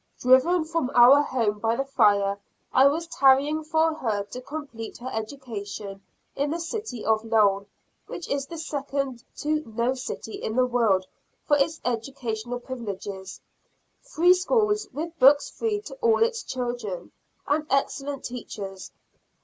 Driven from our home by the fire, I was tarrying for her to complete her education in the city of Lowell, which is second to no city in the world for its educational privileges. Free schools, with books free to all its children, and excellent teachers.